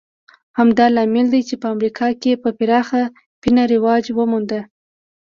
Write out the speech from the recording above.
همدا لامل دی چې په امریکا کې په پراخه پینه رواج وموند